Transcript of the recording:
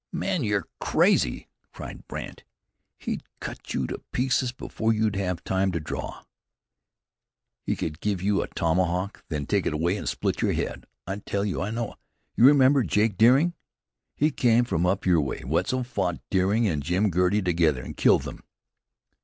"Man, you're crazy!" cried Brandt. "He'd cut you to pieces before you'd have time to draw. He could give you a tomahawk, then take it away and split your head. I tell you I know! You remember Jake Deering? He came from up your way. Wetzel fought Deering and Jim Girty together, and killed them.